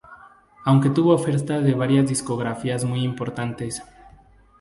Aunque tuvo ofertas de varias discográficas muy importantes.